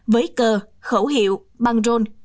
với cờ khẩu hiệu băng rôn